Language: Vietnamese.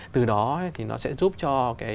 từ đó thì nó sẽ giúp cho